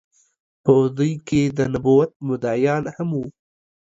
په دوی کې د نبوت مدعيانو هم وو